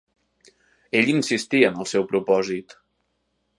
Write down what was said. Ell insistia en el seu propòsit.